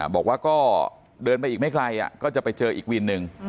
บอกว่าก็เดินไปอีกไม่ไกลก็จะไปเจออีกวินหนึ่ง